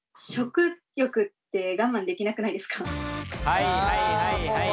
はいはいはいはい。